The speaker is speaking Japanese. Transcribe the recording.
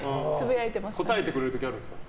応えてくれる時あるんですか？